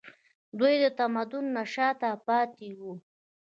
دوی د تمدن نه شاته پاتې وو